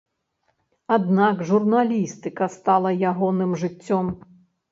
Аднак журналістыка стала ягоным жыццём.